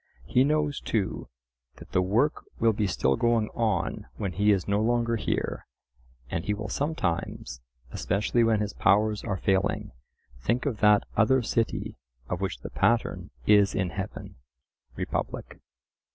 He knows, too, that the work will be still going on when he is no longer here; and he will sometimes, especially when his powers are failing, think of that other "city of which the pattern is in heaven" (Republic).